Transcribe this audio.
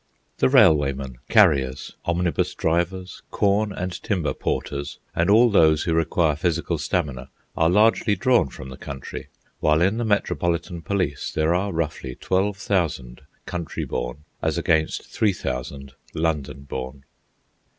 The railway men, carriers, omnibus drivers, corn and timber porters, and all those who require physical stamina, are largely drawn from the country; while in the Metropolitan Police there are, roughly, 12,000 country born as against 3000 London born.